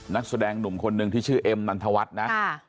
นักแสดงหนุ่มคนหนึ่งที่ชื่อเอ็มนันทวัฒน์นะ